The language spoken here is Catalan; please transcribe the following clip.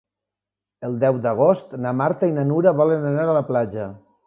El deu d'agost na Marta i na Nura volen anar a la platja.